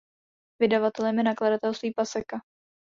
Vydavatelem je nakladatelství Paseka.